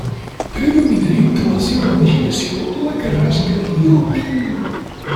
Predomina entre la seua vegetació la carrasca i el pi.